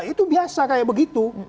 itu biasa kayak begitu